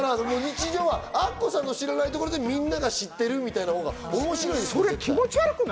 アッコさんの知らないところでみんなが知ってるみたいなほうがいい。